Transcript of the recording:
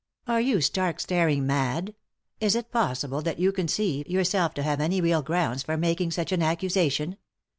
"Are you stark, staring mad ? Is it possible that you conceive yourself to have any real grounds for making such an accusation